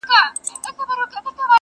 • ځيني يې سخت واقعيت بولي ډېر,